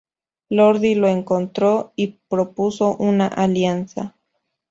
Lordi lo encontró y propuso una alianza.